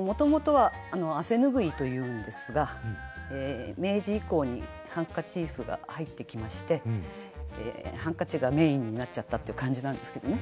もともとは「汗拭ひ」と言うんですが明治以降にハンカチーフが入ってきましてハンカチがメインになっちゃったっていう感じなんですけどね。